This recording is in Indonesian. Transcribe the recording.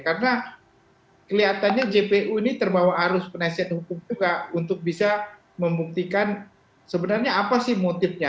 karena kelihatannya jpu ini terbawa arus penelitian hukum juga untuk bisa membuktikan sebenarnya apa sih motifnya